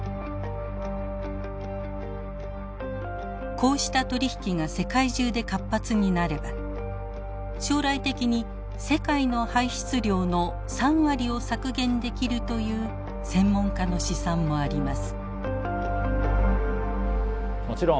こうした取り引きが世界中で活発になれば将来的に世界の排出量の３割を削減できるという専門家の試算もあります。